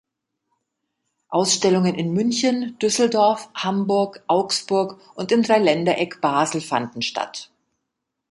Ausstellungen in München, Düsseldorf, Hamburg, Augsburg und im Dreiländereck Basel fanden statt.